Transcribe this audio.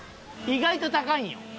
意外と高いんよ。